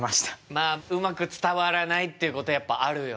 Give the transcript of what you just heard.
まあうまく伝わらないっていうことやっぱあるよね。